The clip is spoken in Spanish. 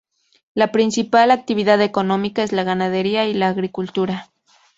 La principal actividad económica es la ganadería y la agricultura.